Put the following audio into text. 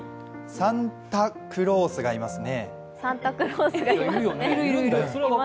サンタクロースがいますね。